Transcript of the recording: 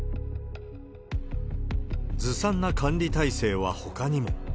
ずさんな管理体制はほかにも。